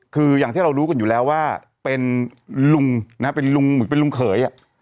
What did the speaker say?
คืออย่างที่เรารู้กันอยู่แล้วว่าเป็นลุงเป็นลุงเหย